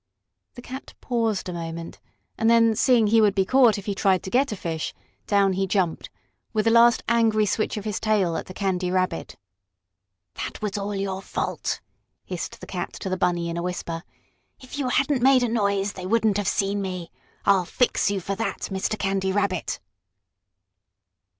The cat paused a moment, and then, seeing he would be caught if he tried to get a fish, down he jumped, with a last, angry switch of his tail at the Candy Rabbit. "That was all your fault!" hissed the cat to the Bunny in a whisper. "If you hadn't made a noise they wouldn't have seen me. I'll fix you for that, Mr. Candy Rabbit!"